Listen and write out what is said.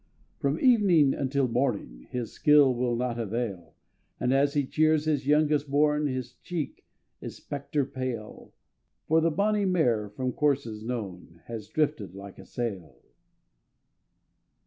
From evening until morning His skill will not avail, And as he cheers his youngest born, His cheek is spectre pale; For the bonnie mare from courses known Has drifted like a sail!